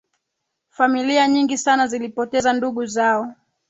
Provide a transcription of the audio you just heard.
familia nyingi sana zilipoteza ndugu zao